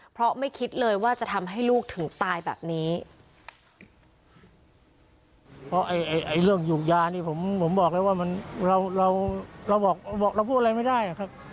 เพราะไม่คิดเลยว่าจะทำให้ลูกถึงตายแบบนี้